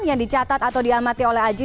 yang dicatat atau diamati oleh aji